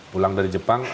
pulang dari jepang